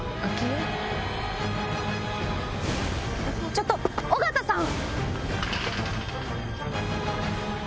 ちょっと尾形さん！